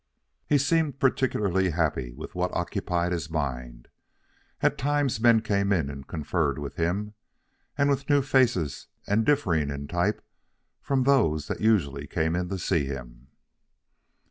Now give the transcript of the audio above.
He seemed particularly happy with what occupied his mind. At times men came in and conferred with him and with new faces and differing in type from those that usually came to see him.